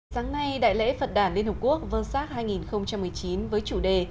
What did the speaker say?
sáng nay đại lễ phật đàn liên hợp quốc vơ sát hai nghìn một mươi chín với chủ đề